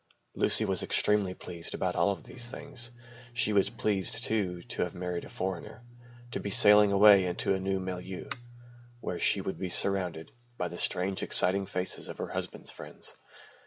Lucy was extremely pleased about all of these things. She was pleased, too, to have married a foreigner, to be sailing away into a new milieu, where she would be surrounded by the strange exciting faces of her husband's friends.